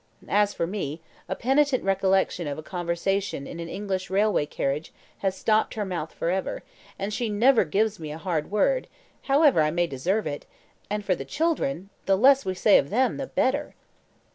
As for me, a penitent recollection of a conversation in an English railway carriage has stopped her mouth for ever, and she never gives me a hard word, however I may deserve it; and for the children, the less we say of them the better."